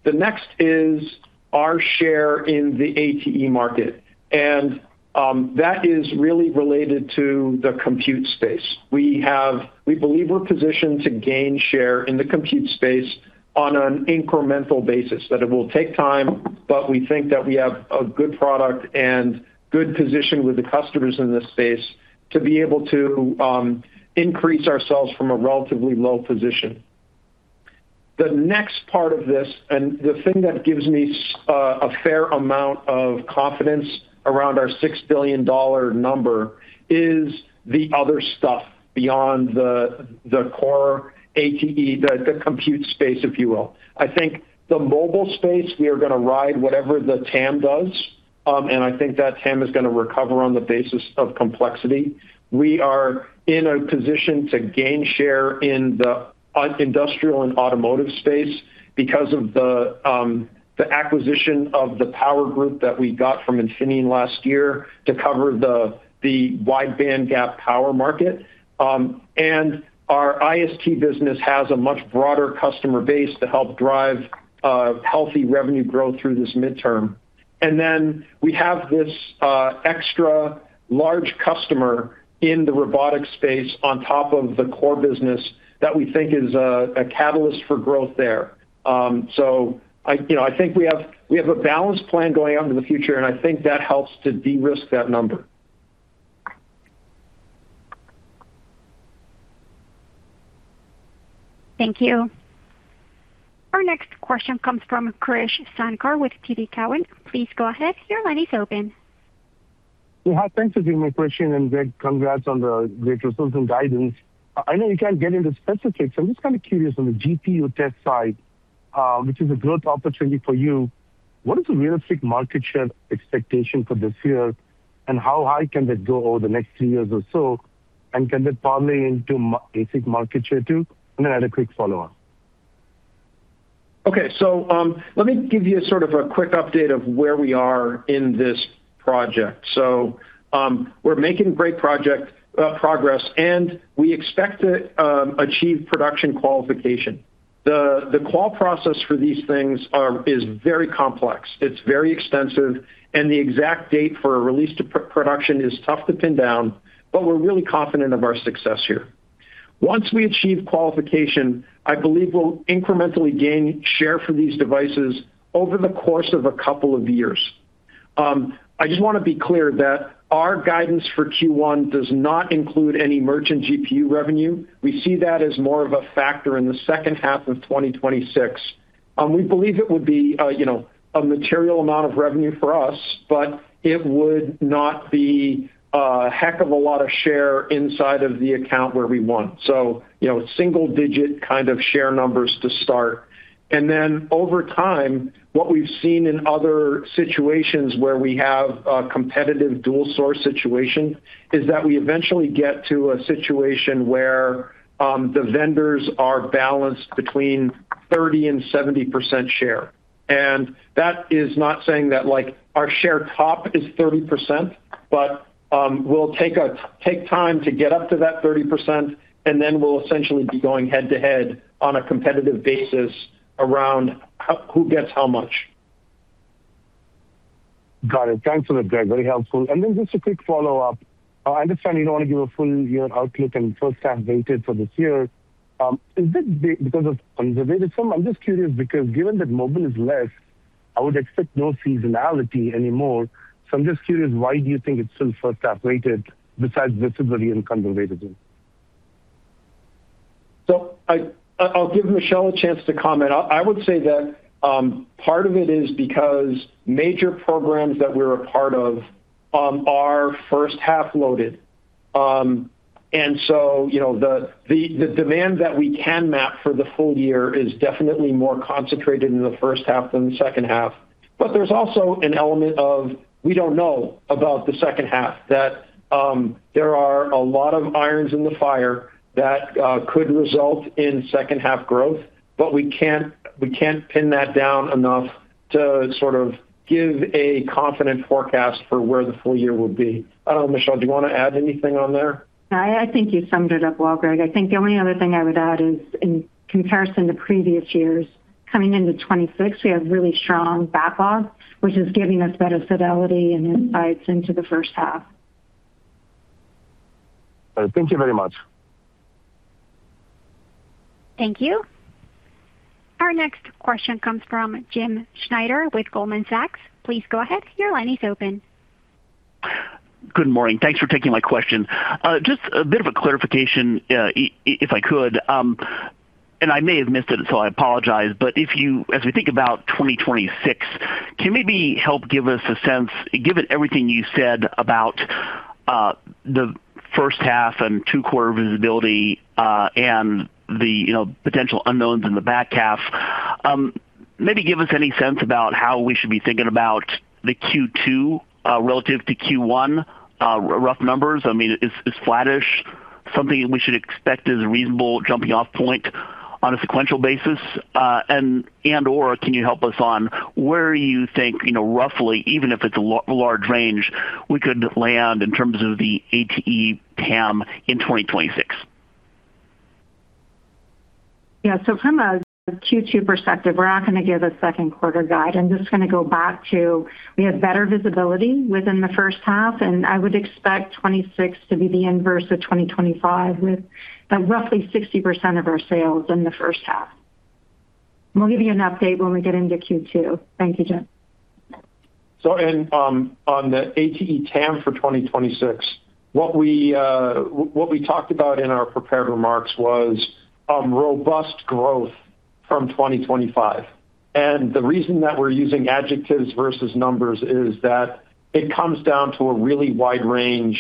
The next is our share in the ATE market, and that is really related to the compute space. We believe we're positioned to gain share in the compute space on an incremental basis, that it will take time, but we think that we have a good product and good position with the customers in this space to be able to increase ourselves from a relatively low position. The next part of this, and the thing that gives me a fair amount of confidence around our $6 billion number, is the other stuff beyond the core ATE, the compute space, if you will. I think the mobile space, we are going to ride whatever the TAM does, and I think that TAM is going to recover on the basis of complexity. We are in a position to gain share in the industrial and automotive space because of the acquisition of the power group that we got from Infineon last year to cover the wide bandgap power market. And our IST business has a much broader customer base to help drive healthy revenue growth through this midterm. And then we have this extra large customer in the Robotics space on top of the core business that we think is a catalyst for growth there. So I, you know, I think we have, we have a balanced plan going out into the future, and I think that helps to de-risk that number. Thank you. Our next question comes from Krish Sankar with TD Cowen. Please go ahead. Your line is open. Yeah, thanks for taking my question, and Greg, congrats on the great results and guidance. I know you can't get into specifics. I'm just kind of curious, on the GPU test side, which is a growth opportunity for you, what is a realistic market share expectation for this year, and how high can that go over the next two years or so? And can that parlay into ASIC market share, too? And then I had a quick follow-up. Okay, so, let me give you sort of a quick update of where we are in this project. So, we're making great project progress, and we expect to achieve production qualification. The qual process for these things is very complex. It's very extensive, and the exact date for a release to production is tough to pin down, but we're really confident of our success here. Once we achieve qualification, I believe we'll incrementally gain share from these devices over the course of a couple of years. I just want to be clear that our guidance for Q1 does not include any merchant GPU revenue. We see that as more of a factor in the second half of 2026. We believe it would be, you know, a material amount of revenue for us, but it would not be a heck of a lot of share inside of the account where we want. So, you know, single-digit kind of share numbers to start. And then over time, what we've seen in other situations where we have a competitive dual source situation, is that we eventually get to a situation where the vendors are balanced between 30%-70% share. And that is not saying that, like, our share top is 30%, but we'll take time to get up to that 30%, and then we'll essentially be going head-to-head on a competitive basis around who gets how much. Got it. Thanks for that, Greg. Very helpful. And then just a quick follow-up. I understand you don't want to give a full year outlook and first half weighted for this year. Is it because of conservatism? I'm just curious because given that mobile is less, I would expect no seasonality anymore. So I'm just curious, why do you think it's still first half weighted besides visibility and conservatism? So I'll give Michelle a chance to comment. I would say that part of it is because major programs that we're a part of are first half loaded. And so, you know, the demand that we can map for the full year is definitely more concentrated in the first half than the second half. But there's also an element of, we don't know about the second half, that there are a lot of irons in the fire that could result in second half growth, but we can't pin that down enough to sort of give a confident forecast for where the full year will be. I don't know, Michelle, do you want to add anything on there? I think you summed it up well, Greg. I think the only other thing I would add is, in comparison to previous years, coming into 2026, we have really strong backlog, which is giving us better fidelity and insights into the first half. Thank you very much. Thank you. Our next question comes from Jim Schneider with Goldman Sachs. Please go ahead. Your line is open. Good morning. Thanks for taking my question. Just a bit of a clarification, if I could, and I may have missed it, so I apologize, but if you, as we think about 2026, can you maybe help give us a sense, given everything you said about the first half and Q2 core visibility, and the, you know, potential unknowns in the back half, maybe give us any sense about how we should be thinking about the Q2 relative to Q1, rough numbers. I mean, is flattish something we should expect as a reasonable jumping off point on a sequential basis? And/or can you help us on where you think, you know, roughly, even if it's a large range, we could land in terms of the ATE TAM in 2026? Yeah. So from a Q2 perspective, we're not going to give a second quarter guide. I'm just going to go back to, we have better visibility within the first half, and I would expect 2026 to be the inverse of 2025, with roughly 60% of our sales in the first half. We'll give you an update when we get into Q2. Thank you, Jim. So, on the ATE TAM for 2026, what we talked about in our prepared remarks was robust growth from 2025. And the reason that we're using adjectives versus numbers is that it comes down to a really wide range,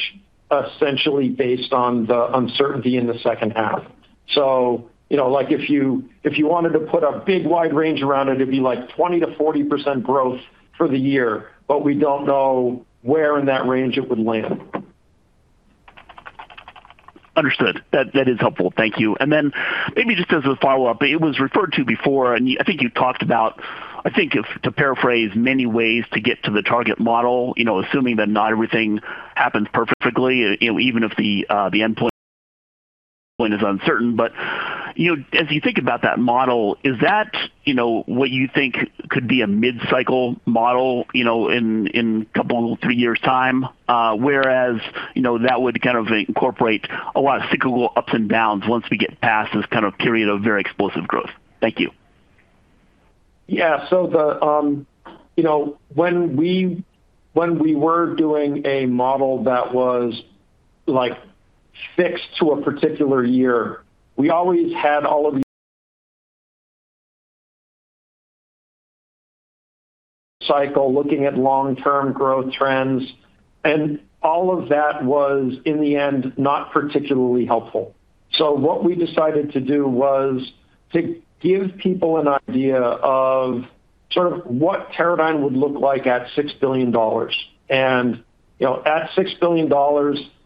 essentially based on the uncertainty in the second half. So, you know, like, if you wanted to put a big wide range around it, it'd be like 20%-40% growth for the year, but we don't know where in that range it would land. Understood. That, that is helpful. Thank you. And then maybe just as a follow-up, it was referred to before, and I think you talked about, I think, if to paraphrase many ways to get to the target model, you know, assuming that not everything happens perfectly, you know, even if the the endpoint is uncertain. But, you know, as you think about that model, is that, you know, what you think could be a mid-cycle model, you know, in, in a couple, three years' time? Whereas, you know, that would kind of incorporate a lot of cyclical ups and downs once we get past this kind of period of very explosive growth. Thank you. Yeah. So the, you know, when we were doing a model that was, like, fixed to a particular year, we always had all of the cycle, looking at long-term growth trends, and all of that was, in the end, not particularly helpful. So what we decided to do was to give people an idea of sort of what Teradyne would look like at $6 billion. And, you know, at $6 billion,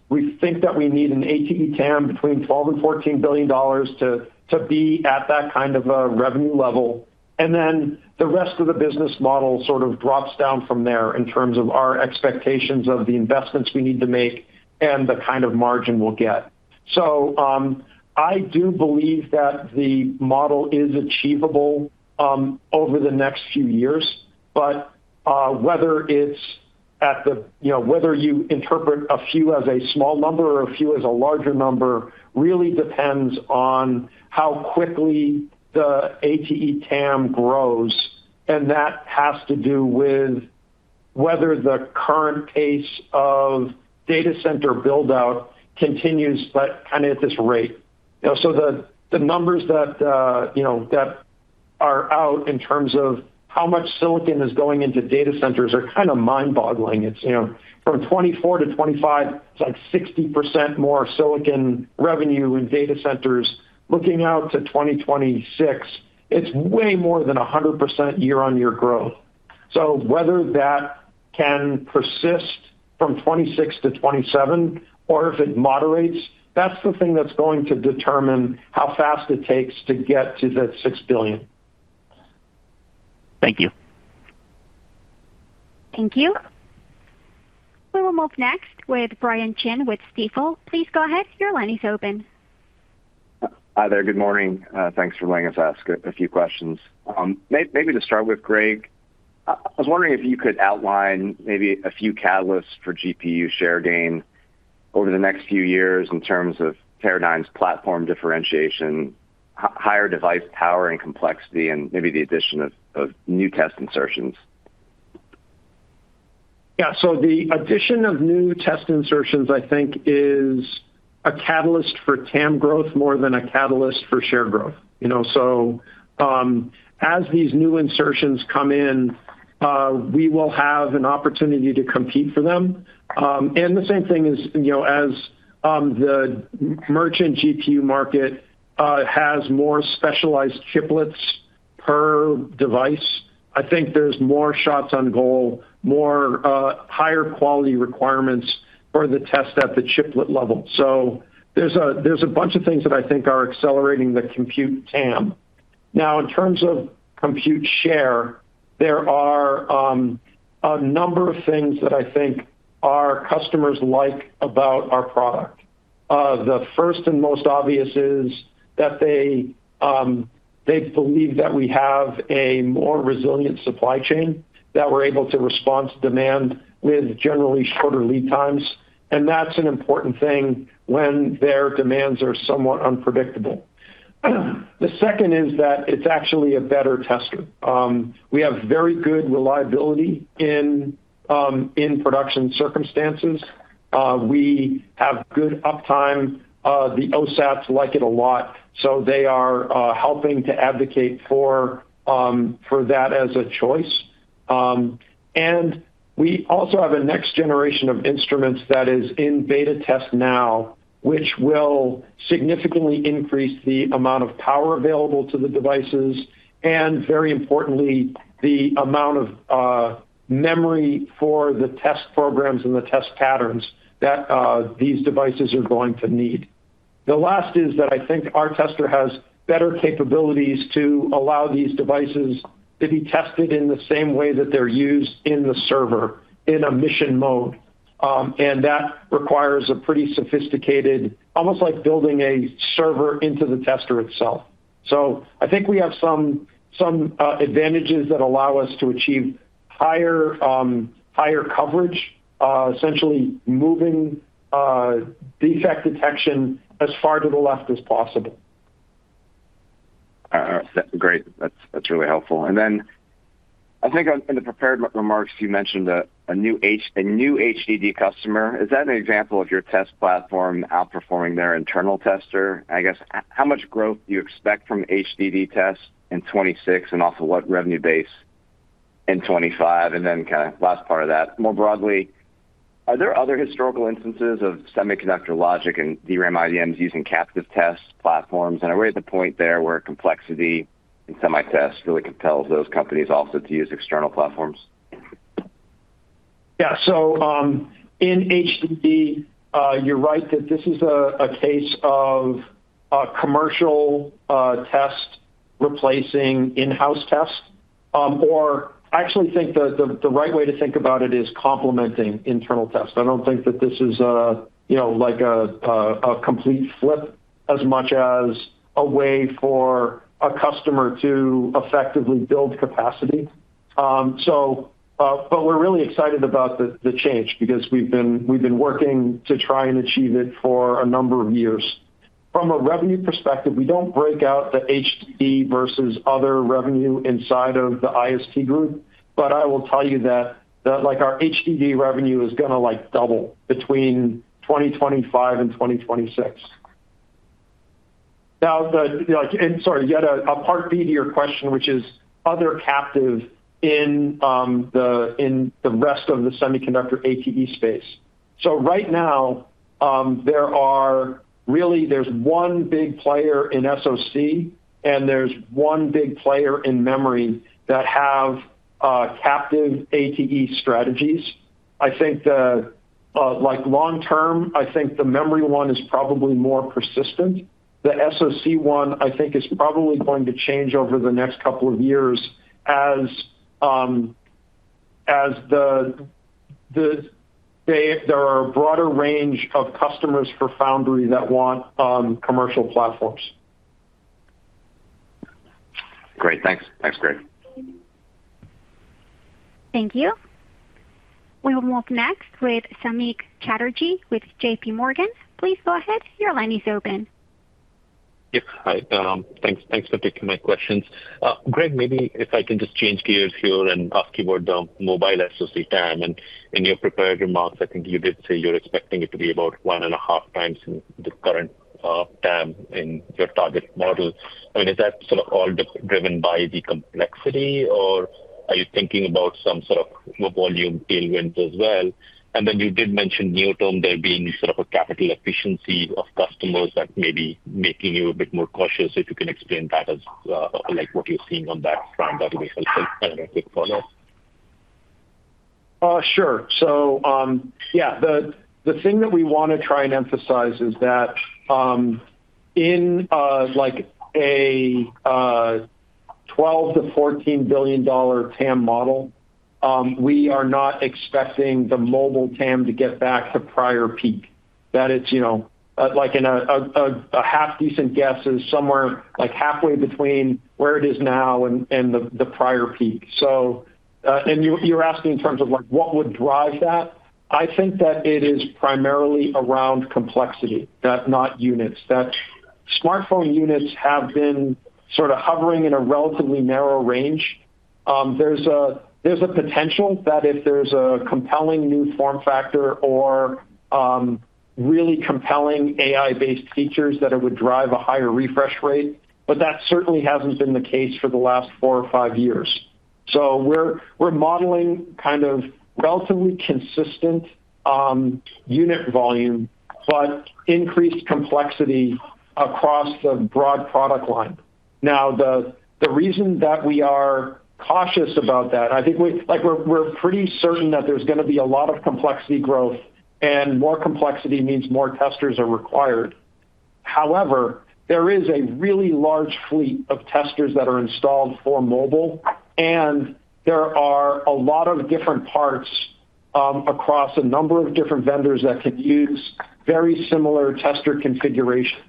we think that we need an ATE TAM between $12 billion and $14 billion to be at that kind of a revenue level. And then the rest of the business model sort of drops down from there in terms of our expectations of the investments we need to make and the kind of margin we'll get. So, I do believe that the model is achievable, over the next few years, but, whether it's at the-- you know, whether you interpret a few as a small number or a few as a larger number, really depends on how quickly the ATE TAM grows, and that has to do with whether the current pace of data center build-out continues, but kind of at this rate. You know, so the numbers that, you know, that are out in terms of how much silicon is going into data centers are kind of mind-boggling. It's, you know, from 2024 to 2025, it's like 60% more silicon revenue in data centers. Looking out to 2026, it's way more than 100% year-on-year growth. So whether that can persist from 2026 to 2027 or if it moderates, that's the thing that's going to determine how fast it takes to get to the $6 billion. Thank you. Thank you. We will move next with Brian Chin with Stifel. Please go ahead. Your line is open. Hi there. Good morning. Thanks for letting us ask a few questions. Maybe to start with Greg, I was wondering if you could outline maybe a few catalysts for GPU share gain over the next few years in terms of Teradyne's platform differentiation, higher device power and complexity, and maybe the addition of new test insertions? Yeah. So the addition of new test insertions, I think, is a catalyst for TAM growth more than a catalyst for share growth, you know? So, as these new insertions come in, we will have an opportunity to compete for them. And the same thing is, you know, as the merchant GPU market has more specialized chiplets per device, I think there's more shots on goal, more, higher quality requirements for the test at the chiplet level. So there's a, there's a bunch of things that I think are accelerating the compute TAM. Now, in terms of compute share, there are a number of things that I think our customers like about our product. The first and most obvious is that they believe that we have a more resilient supply chain, that we're able to respond to demand with generally shorter lead times, and that's an important thing when their demands are somewhat unpredictable. The second is that it's actually a better tester. We have very good reliability in production circumstances. We have good uptime. The OSATs like it a lot, so they are helping to advocate for that as a choice. And we also have a next generation of instruments that is in beta test now, which will significantly increase the amount of power available to the devices, and very importantly, the amount of memory for the test programs and the test patterns that these devices are going to need. The last is that I think our tester has better capabilities to allow these devices to be tested in the same way that they're used in the server, in a mission mode. And that requires a pretty sophisticated, almost like building a server into the tester itself. So I think we have some advantages that allow us to achieve higher coverage, essentially moving defect detection as far to the left as possible. All right. Great. That's really helpful. And then I think on, in the prepared remarks, you mentioned a new HDD customer. Is that an example of your test platform outperforming their internal tester? I guess, how much growth do you expect from HDD test in 2026, and also what revenue base in 2025? And then kind of last part of that, more broadly, are there other historical instances of semiconductor logic and DRAM IDMs using captive test platforms? And are we at the point there where complexity in semi tests really compels those companies also to use external platforms? Yeah. So in HDD, you're right that this is a case of a commercial test replacing in-house test. Or I actually think the right way to think about it is complementing internal test. I don't think that this is a, you know, like a complete flip, as much as a way for a customer to effectively build capacity. But we're really excited about the change because we've been working to try and achieve it for a number of years. From a revenue perspective, we don't break out the HDD versus other revenue inside of the IST group, but I will tell you that, like, our HDD revenue is going to, like, double between 2025 and 2026. Now, like—and sorry, you had a part B to your question, which is other captive in the rest of the semiconductor ATE space. So right now, there are really, there's one big player in SoC, and there's one big player in memory that have captive ATE strategies. I think like, long term, I think the memory one is probably more persistent. The SoC one, I think, is probably going to change over the next couple of years as there are a broader range of customers for foundry that want commercial platforms. Great. Thanks. Thanks, Greg. Thank you. We will move next with Samik Chatterjee with J.P. Morgan. Please go ahead. Your line is open. Yes. Hi, thanks, thanks for taking my questions. Greg, maybe if I can just change gears here and ask you about the mobile SoC TAM, and in your prepared remarks, I think you did say you're expecting it to be about 1.5 times the current TAM in your target model. I mean, is that sort of all driven by the complexity, or are you thinking about some sort of volume tailwind as well? And then you did mention near-term there being sort of a capital efficiency of customers that may be making you a bit more cautious. If you can explain that as, like, what you're seeing on that front, that would be helpful as a quick follow-up. Sure. So, yeah, the thing that we want to try and emphasize is that, in like a $12 billion-$14 billion TAM model, we are not expecting the mobile TAM to get back to prior peak. That it's, you know, like a half decent guess is somewhere, like, halfway between where it is now and the prior peak. So, you're asking in terms of, like, what would drive that? I think that it is primarily around complexity, that not units, smartphone units have been sort of hovering in a relatively narrow range. There's a, there's a potential that if there's a compelling new form factor or, really compelling AI-based features, that it would drive a higher refresh rate, but that certainly hasn't been the case for the last four or five years. So we're, we're modeling kind of relatively consistent, unit volume, but increased complexity across the broad product line. Now, the, the reason that we are cautious about that, I think—like, we're, we're pretty certain that there's going to be a lot of complexity growth, and more complexity means more testers are required. However, there is a really large fleet of testers that are installed for mobile, and there are a lot of different parts, across a number of different vendors that could use very similar tester configurations.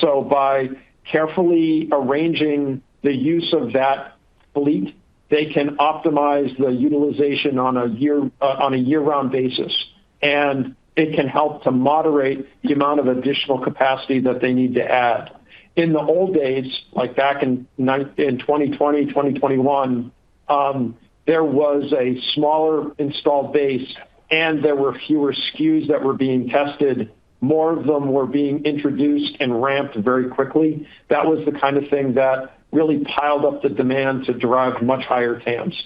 So by carefully arranging the use of that fleet, they can optimize the utilization on a year-round basis, and it can help to moderate the amount of additional capacity that they need to add. In the old days, like back in 2020, 2021, there was a smaller installed base, and there were fewer SKUs that were being tested. More of them were being introduced and ramped very quickly. That was the kind of thing that really piled up the demand to drive much higher TAMs.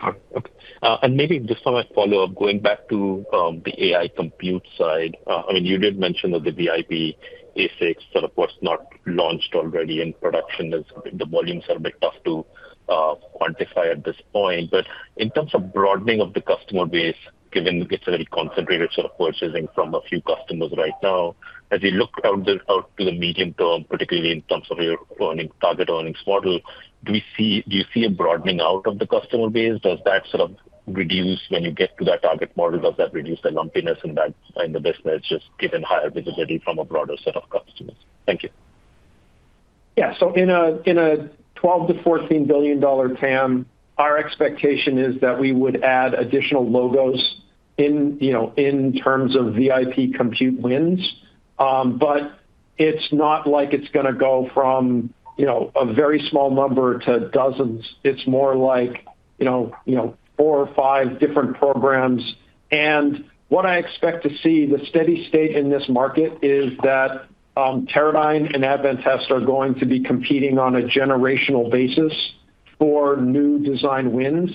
Got it. Okay, and maybe just on a follow-up, going back to the AI compute side. I mean, you did mention that the VIP ASICs that, of course, not launched already in production, as the volumes are a bit tough to quantify at this point. But in terms of broadening of the customer base, given it's a very concentrated set of purchasing from a few customers right now, as you look out to the medium term, particularly in terms of your earnings target model, do you see, do you see a broadening out of the customer base? Does that sort of reduce when you get to that target model, does that reduce the lumpiness in that, in the business, just given higher visibility from a broader set of customers? Thank you. Yeah. So in a twelve to fourteen billion dollar TAM, our expectation is that we would add additional logos in, you know, in terms of VIP compute wins. But it's not like it's going to go from, you know, a very small number to dozens. It's more like, you know, you know, four or five different programs. And what I expect to see, the steady state in this market, is that, Teradyne and Advantest are going to be competing on a generational basis for new design wins,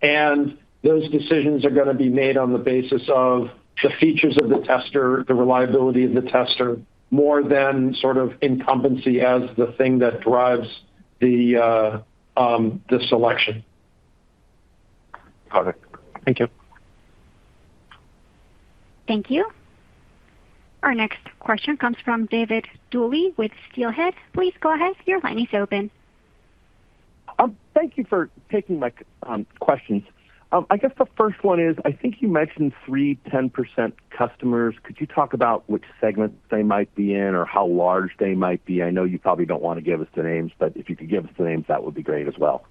and those decisions are going to be made on the basis of the features of the tester, the reliability of the tester, more than sort of incumbency as the thing that drives the, the selection. Got it. Thank you. Thank you. Our next question comes from Dave Duley with Steelhead Securities. Please go ahead. Your line is open. Thank you for taking my questions. I guess the first one is, I think you mentioned 3, 10% customers. Could you talk about which segment they might be in or how large they might be? I know you probably don't want to give us the names, but if you could give us the names, that would be great as well.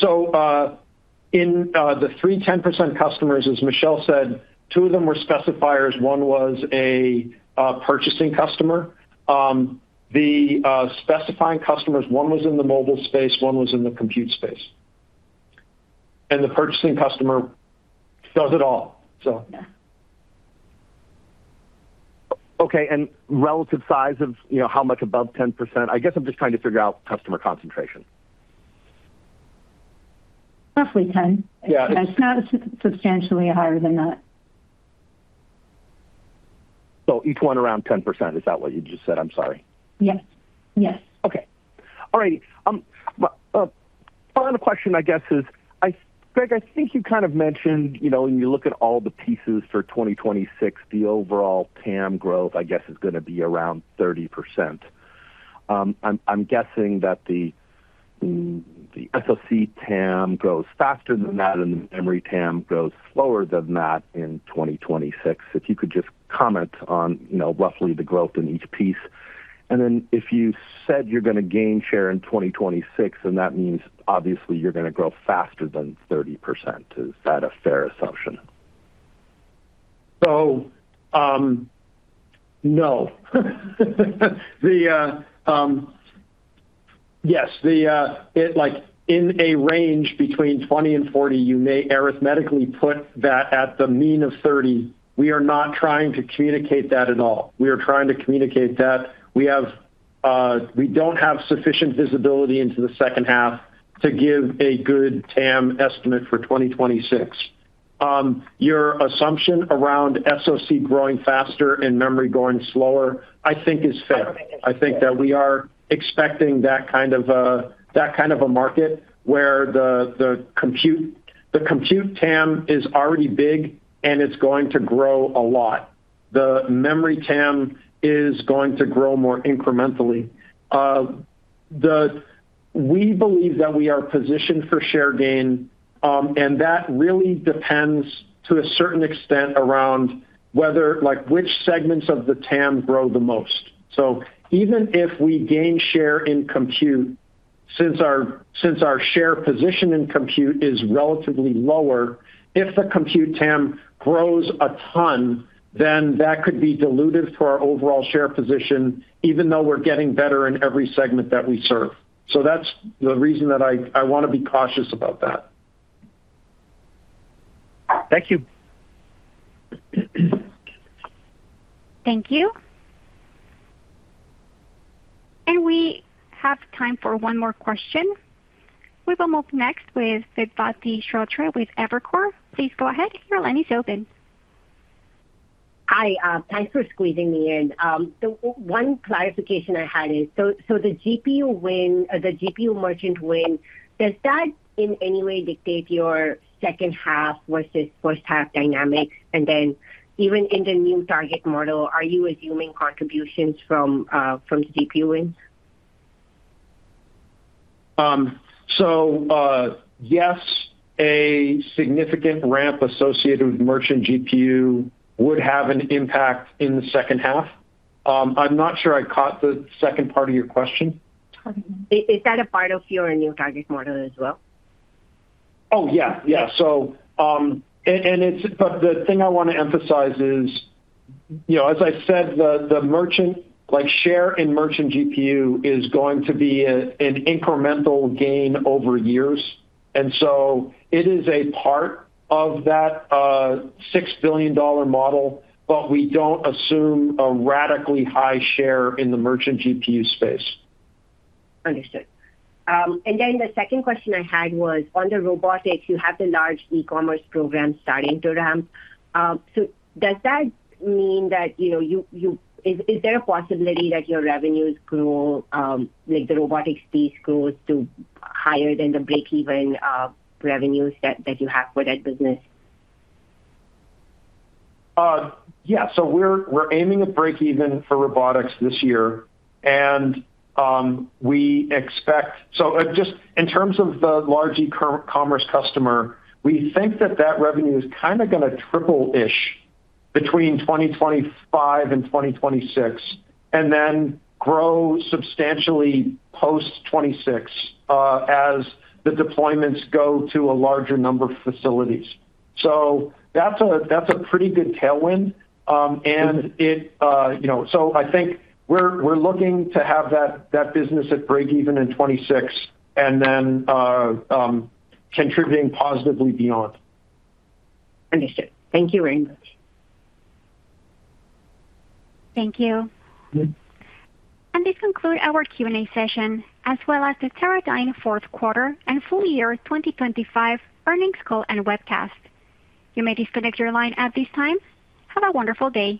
So, in the 30% customers, as Michelle said, two of them were specifiers. One was a purchasing customer. The specifying customers, one was in the mobile space, one was in the compute space. And the purchasing customer does it all, so- Yeah. Okay, and relative size of, you know, how much above 10%? I guess I'm just trying to figure out customer concentration. Roughly ten. Yeah. It's not substantially higher than that. So each one around 10%, is that what you just said? I'm sorry. Yes. Yes. Okay. All right. Final question, I guess, is, Greg, I think you kind of mentioned, you know, when you look at all the pieces for 2026, the overall TAM growth, I guess, is going to be around 30%. I'm guessing that the SoC TAM grows faster than that and the memory TAM grows slower than that in 2026. If you could just comment on, you know, roughly the growth in each piece. And then, if you said you're going to gain share in 2026, then that means, obviously, you're going to grow faster than 30%. Is that a fair assumption? So, no. Yes, it like, in a range between 20 and 40, you may arithmetically put that at the mean of 30. We are not trying to communicate that at all. We are trying to communicate that we have, we don't have sufficient visibility into the second half to give a good TAM estimate for 2026. Your assumption around SoC growing faster and memory growing slower, I think is fair. I think that we are expecting that kind of a, that kind of a market, where the, the compute, the compute TAM is already big, and it's going to grow a lot. The memory TAM is going to grow more incrementally. We believe that we are positioned for share gain, and that really depends, to a certain extent, around whether, like, which segments of the TAM grow the most. So even if we gain share in compute—since our share position in compute is relatively lower, if the compute TAM grows a ton, then that could be dilutive to our overall share position, even though we're getting better in every segment that we serve. So that's the reason that I want to be cautious about that. Thank you. Thank you. We have time for one more question. We will move next with Vedvati Shrotria with Evercore. Please go ahead. Your line is open. Hi, thanks for squeezing me in. The one clarification I had is, so, the GPU win, the GPU merchant win, does that in any way dictate your second half versus first half dynamics? And then even in the new target model, are you assuming contributions from GPU wins? Yes, a significant ramp associated with merchant GPU would have an impact in the second half. I'm not sure I caught the second part of your question. Is that a part of your new target model as well? Oh, yeah. Yeah. So, it's, but the thing I want to emphasize is, you know, as I said, the merchant, like, share in merchant GPU is going to be an incremental gain over years, and so it is a part of that $6 billion model, but we don't assume a radically high share in the merchant GPU space. Understood. And then the second question I had was, on the Robotics, you have the large e-commerce program starting to ramp. So does that mean that, you know, is there a possibility that your revenues grow, like the Robotics piece grows to higher than the breakeven revenues that you have for that business? Yeah. So we're aiming at breakeven for Robotics this year, and we expect. So just in terms of the large e-commerce customer, we think that revenue is kind of going to triple-ish between 2025 and 2026, and then grow substantially post 2026, as the deployments go to a larger number of facilities. So that's a pretty good tailwind. And it. So I think we're looking to have that business at breakeven in 2026 and then contributing positively beyond. Understood. Thank you very much. Thank you. Good. This concludes our Q&A session, as well as the Teradyne fourth quarter and full year 2025 earnings call and webcast. You may disconnect your line at this time. Have a wonderful day.